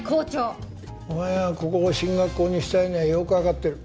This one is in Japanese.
お前がここを進学校にしたいのはよくわかってる。